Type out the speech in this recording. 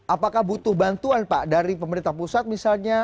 apakah butuh bantuan pak dari pemerintah pusat misalnya